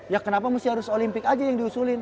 ya kenapa harus olimpik aja yang diusulin